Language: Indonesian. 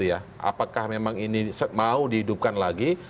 apakah memang ini mau dihidupkan lagi